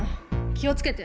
気を付けて。